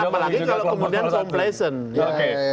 dan apalagi kalau kemudian complacent